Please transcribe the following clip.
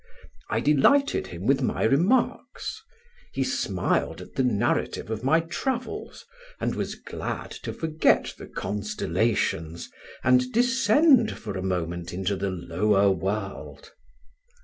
I delighted him with my remarks. He smiled at the narrative of my travels, and was glad to forget the constellations and descend for a moment into the lower world.